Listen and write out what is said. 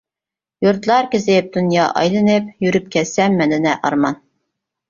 يۇرتلار كېزىپ دۇنيا ئايلىنىپ، يۈرۈپ كەتسەم مەندە نە ئارمان.